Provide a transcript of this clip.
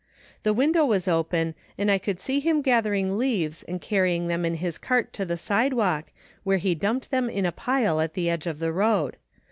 The window was open and I could see him gathering leaves and carrying them in his cart to the sidewalk, where he dumped them in a pile at the edge of the road.